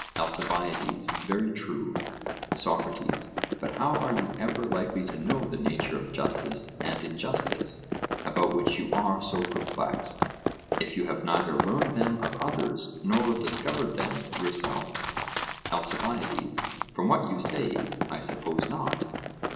ALCIBIADES: Very true. SOCRATES: But how are you ever likely to know the nature of justice and injustice, about which you are so perplexed, if you have neither learned them of others nor discovered them yourself? ALCIBIADES: From what you say, I suppose not.